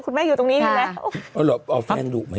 คุณแม่คือตรงนี้